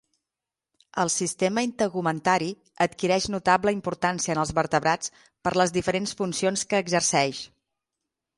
El sistema integumentari adquireix notable importància en els vertebrats per les diferents funcions que exerceix.